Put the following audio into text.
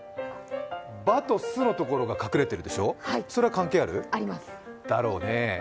「ば」と「す」のところが隠れてるでしょ、それは関係ある？だろうね。